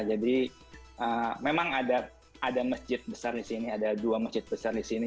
jadi memang ada ada masjid besar di sini ada dua masjid besar di sini